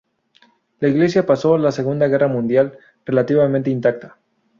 La iglesia pasó la Segunda Guerra Mundial relativamente intacta.